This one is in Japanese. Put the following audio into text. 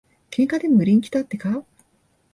喧嘩でも売りにきたってか。